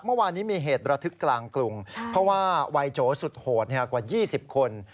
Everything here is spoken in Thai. เมื่อวานนี้มีเหตุระทึกกลางกรุงเพราะว่าวัยโจสุดโหดกว่า๒๐คน